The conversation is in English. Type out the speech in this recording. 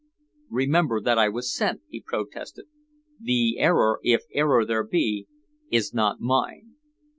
"Remember that I was sent," he protested. "The error, if error there be, is not mine."